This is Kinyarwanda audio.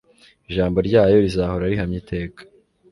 Ijambo ryayo rizahora rihamye iteka